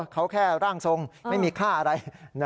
เขาแค่ร่างทรงไม่มีค่าอะไร